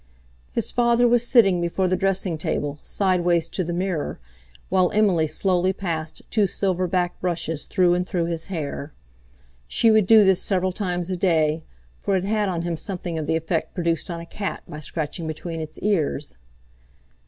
His father was sitting before the dressing table sideways to the mirror, while Emily slowly passed two silver backed brushes through and through his hair. She would do this several times a day, for it had on him something of the effect produced on a cat by scratching between its ears.